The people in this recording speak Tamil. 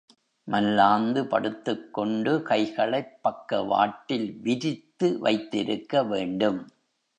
மல்லாந்து படுத்துக் கொண்டு கைகளைப் பக்கவாட்டில், விரித்து வைத்திருக்க வேண்டும்.